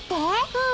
うん。